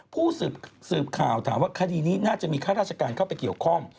ผู้สื่อข่าวถามว่าคดีนี้น่าจะมีข้าราชการเข้าไปเกี่ยวข้อง